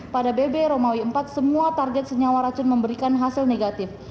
pada bb romawi empat semua target senyawa racun memberikan hasil negatif